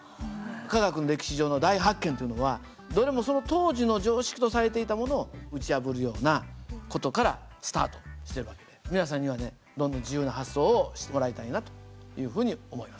科学の歴史上の大発見というのはどれもその当時の常識とされていたものを打ち破るような事からスタートしてる訳で皆さんにはねどんどん自由な発想をしてもらいたいなというふうに思います。